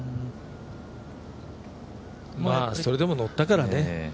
それでも乗ったからね。